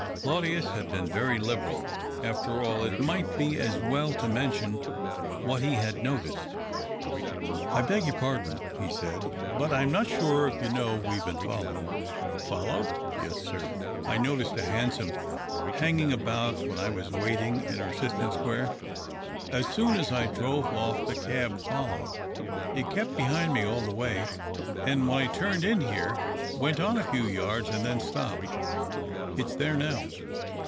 Claudius had been very liberal — after all it might be as well to mention what he had noticed. THE OCTAVE OF CLAUDIUS. 303 " I beg your pardon/'[]ie said, " but I'm not sure if you know we've been followed ?"" Followed 1 "" Yes, sir. I noticed a hansom hanging about when I was waiting in Erciston Square. As soon as I drove off the cab followed. It kept behind me all the way, and when I turned in here, went on a few yards and then stopped. It's there now."